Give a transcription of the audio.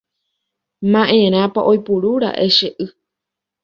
Ma'erãpa oiporúra'e che y.